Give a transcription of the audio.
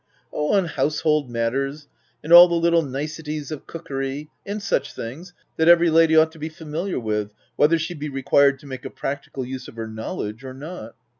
" On household matters, and all the little niceties of cookery, and such things, that every lady ought to be familiar with, whether she be required to make a practical use of her know ledge or not.